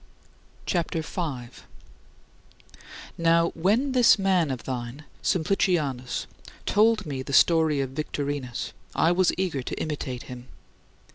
" CHAPTER V 10. Now when this man of thine, Simplicianus, told me the story of Victorinus, I was eager to imitate him.